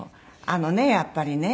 あのねやっぱりね